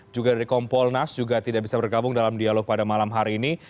juga dari kompolnas juga tidak bisa bergabung dalam dialog pada malam hari ini